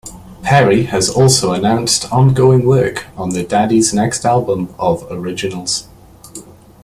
Perry has also announced ongoing work on the Daddies' next album of originals.